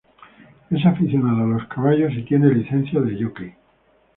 Es aficionada a los caballos y tiene licencia de jockey.